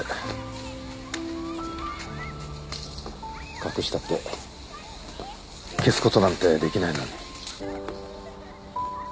隠したって消す事なんて出来ないのに。